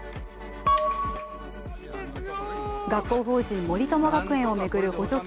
学校法人森友学園を巡る補助金